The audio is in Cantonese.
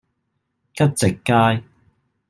吉席街